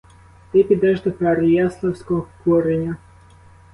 Ти підеш до переяславського куреня.